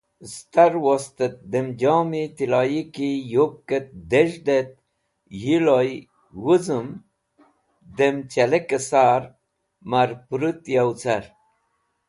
Star wost et dem jom-e tiloyi ki yupket dez̃hd et yiloy wũzũm dem chalek sar ma’r pũrũt yow car.